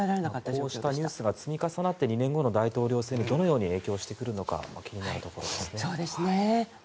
こうしたニュースが積み重なって２年後の大統領選挙に影響してくるのか気になるところですね。